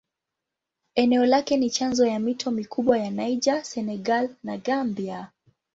Eneo lake ni chanzo ya mito mikubwa ya Niger, Senegal na Gambia.